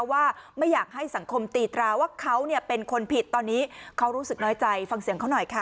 ว่าไม่อยากให้สังคมตีตราว่าเขาเป็นคนผิดตอนนี้เขารู้สึกน้อยใจฟังเสียงเขาหน่อยค่ะ